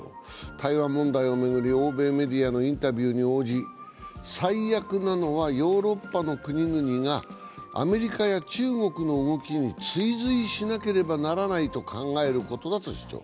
台湾問題を巡り、欧米メディアのインタビューに応じ最悪なのはヨーロッパの国々がアメリカや中国の動きに追随しなければならないと考えることだと主張。